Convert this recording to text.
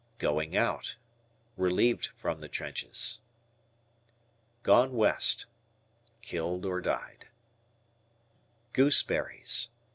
"Going out." Relieved from the trenches. "Gone West." Killed; died. "Gooseberries."